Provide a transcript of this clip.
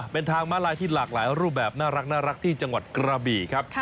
เป็นทางม้าลายที่หลากหลายรูปแบบน่ารักที่จังหวัดกระบี่ครับ